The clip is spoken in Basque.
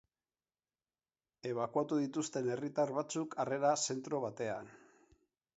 Ebakuatu dituzten herritar batzuk, harrera zentro batean.